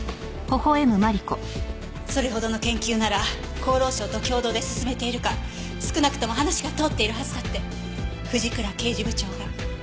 それほどの研究なら厚労省と共同で進めているか少なくとも話が通っているはずだって藤倉刑事部長が。